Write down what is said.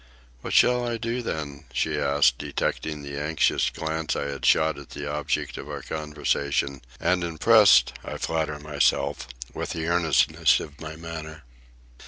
"What shall I do, then?" she asked, detecting the anxious glance I had shot at the object of our conversation, and impressed, I flatter myself, with the earnestness of my manner.